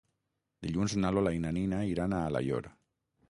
Dilluns na Lola i na Nina iran a Alaior.